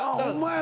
や